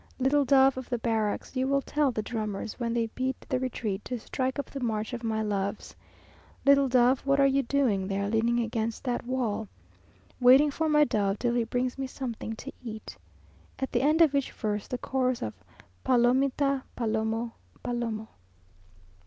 Little dove of the barracks, you will tell the drummers when they beat the retreat to strike up the march of my loves. Little dove, what are you doing there leaning against that wall? Waiting for my dove till he brings me something to eat." At the end of each verse the chorus of "Palomita, palomo, palomo."